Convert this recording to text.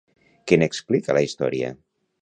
Què n'explica la història?